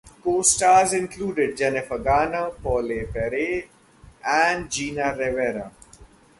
Co-stars included Jennifer Garner, Pauley Perrette and Gina Ravera.